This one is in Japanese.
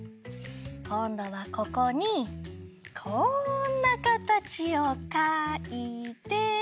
こんどはここにこんなかたちをかいて。